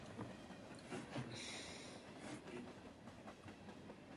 During World War One, immigration was reduced.